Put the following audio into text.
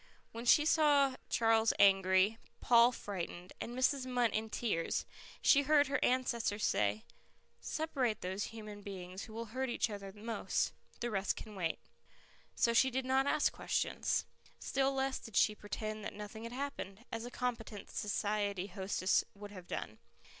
When she saw Charles angry, Paul frightened, and Mrs. Munt in tears, she heard her ancestors say, "Separate those human beings who will hurt each other most. The rest can wait." So she did not ask questions. Still less did she pretend that nothing had happened, as a competent society hostess would have done.